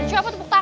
siapa tepuk tangan